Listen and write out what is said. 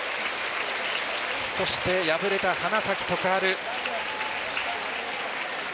そして、敗れた花咲徳栄。